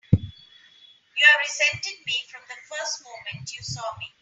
You've resented me from the first moment you saw me!